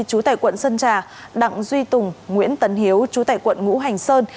chú tại quận sơn trà đặng duy tùng nguyễn tấn hiếu trú tại quận ngũ hành sơn